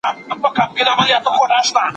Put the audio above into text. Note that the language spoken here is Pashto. د شتمنو او غریبو ترمنځ واټن کم کړئ.